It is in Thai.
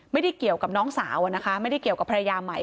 ไม่ได้เกี่ยวกับน้องสาวอะนะคะไม่ได้เกี่ยวกับภรรยาใหม่